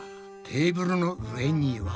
テーブルの上には。